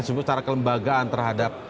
justru secara kelembagaan terhadap